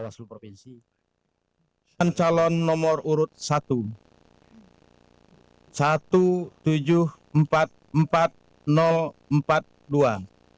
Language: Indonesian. pasangan calon nomor urut dua seribu dua ratus tujuh belas tiga ratus empat belas suara